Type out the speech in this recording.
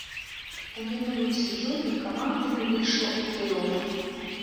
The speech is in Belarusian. У мінулым сезоне каманда не выйшла ў плэй-оф.